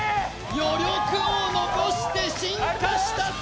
余力を残して進化した姿！